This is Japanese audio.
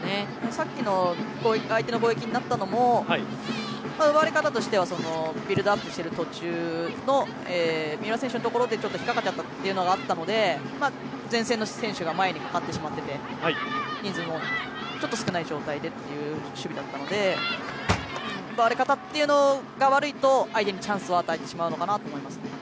さっきの相手の攻撃になったのも奪われ方としてはビルドアップしている途中の三浦選手のところで引っかかっちゃったというところがあったので前線の選手が前にかかってしまって人数も少ない状態でっていうシーンだったので奪われ方が悪いと相手にチャンスを与えてしまうのかなと思いますね。